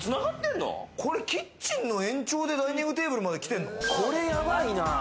これキッチンの延長でダイニングテーブルまできてるの？